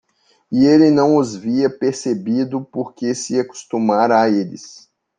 E ele não os havia percebido porque se acostumara a eles.